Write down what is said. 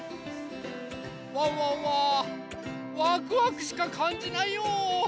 ワンワンはワクワクしかかんじないよ！